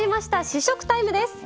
試食タイムです。